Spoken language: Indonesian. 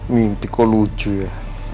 mimpi kok lucu ya